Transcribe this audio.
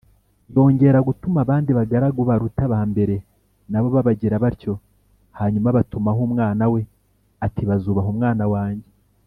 yongera gutuma abandi bagaragu baruta aba mbere, na bo babagira batyo hanyuma abatumaho umwana we ati ‘bazubaha umwana wanjye